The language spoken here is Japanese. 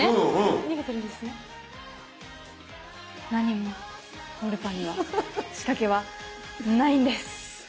何もロールパンには仕掛けはないんです。